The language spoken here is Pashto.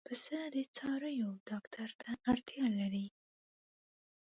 پسه د څارویو ډاکټر ته اړتیا لري.